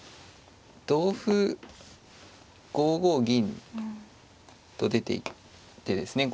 同歩５五銀と出ていってですね